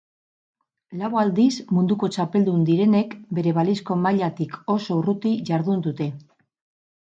Lau aldiz munduko txapeldun direnek bere balizko mailatik oso urruti jardun dute.